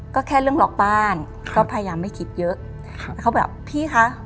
ก็แค่เรื่องล็อกบ้านก็พยายามไม่คิดเยอะครับแล้วเขาแบบพี่คะ